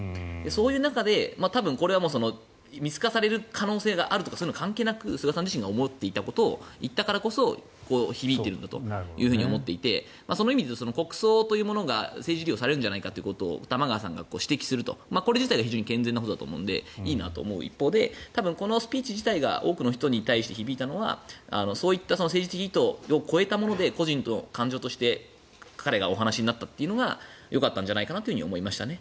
そういう中で、これは見透かされる可能性があるとかそういうの関係なく菅さん自身が思っていたことを言ったからこそ響いたんじゃないかと思っていてその意味でいうと国葬というものが政治利用されるんじゃないかということを玉川さんが指摘するこれ自体は健全なことなのでいいなと思う一方で多分、このスピーチ自体が多くの人に対して響いたのはそういった政治的意図を超えたもので個人の感情として彼がお話になったというのがよかったんじゃないかなと思いましたね。